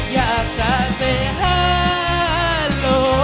อยากจะเซย์ฮาโหล